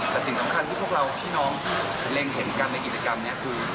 แต่สิ่งสำคัญที่พวกเราพี่น้องเล็งเห็นกันในกิจกรรมนี้คือ